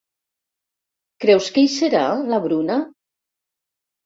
¿Creus que hi serà, la Bruna?